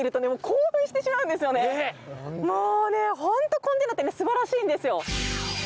もうねホントコンテナってすばらしいんですよ。